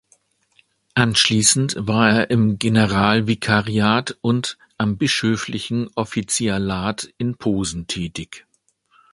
Anschließend war er im Generalvikariat und am bischöflichen Offizialat in Posen tätig.